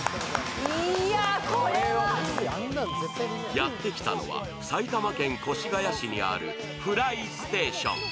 やってきたのは埼玉県越谷市にあるＦｌｙＳｔａｔｉｏｎ。